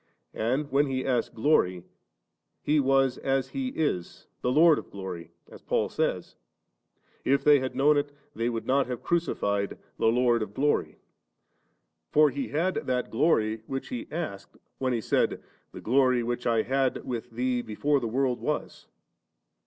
And when He asked glory, He was as He is, the Lord of glory; as Paul says, 'If they had known it, they would not have crucified the Lord of glory *;' for He had that glory which He asked when He said, * the glory which I had with Thee before the world was'.'